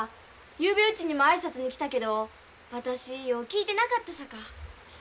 ゆうべうちにも挨拶に来たけど私よう聞いてなかったさか。